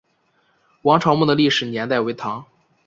王潮墓的历史年代为唐。